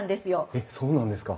えっそうなんですか？